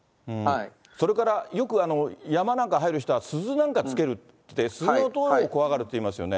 それからよく、山なんかに入る人は鈴なんか付けるって、鈴の音を怖がるっていいますよね。